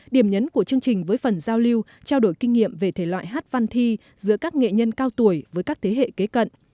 điểm nhấn của chương trình với phần giao lưu trao đổi kinh nghiệm về thể loại hát văn thi giữa các nghệ nhân cao tuổi với các thế hệ kế cận